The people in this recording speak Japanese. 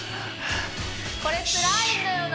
これつらいんだよな